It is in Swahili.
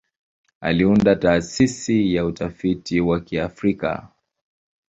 Aliunda Taasisi ya Utafiti wa Kiafrika.